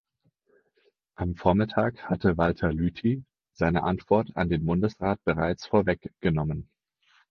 Am Vormittag hatte Walter Lüthi seine Antwort an den Bundesrat bereits vorweggenommen.